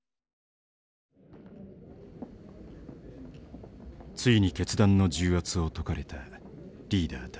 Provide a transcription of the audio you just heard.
ついに決断の重圧を解かれたリーダーたち。